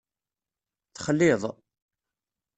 Texliḍ.